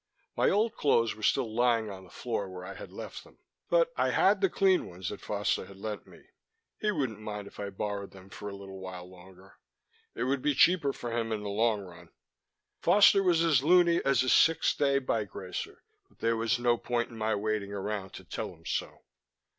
My old clothes were still lying on the floor where I had left them, but I had the clean ones Foster had lent me. He wouldn't mind if I borrowed them for a while longer it would be cheaper for him in the long run. Foster was as looney as a six day bike racer, but there was no point in my waiting around to tell him so.